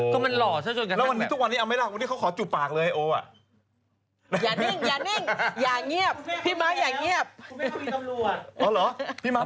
อย่านิ่งย่านีบ